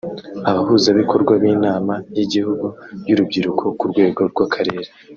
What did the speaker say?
Abahuzabikorwa b’Inama y’igihugu y’urubyiruko ku rwego rw’akarere